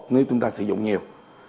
nếu chúng ta sử dụng nhiều